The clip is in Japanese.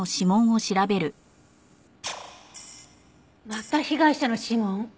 また被害者の指紋？